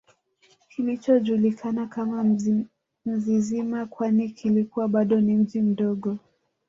kilichojulikana kama Mzizima kwani kilikuwa bado ni mji mdogo